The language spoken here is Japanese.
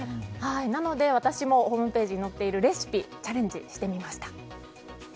なので私もホームページに載っているレシピにチャレンジしてみました。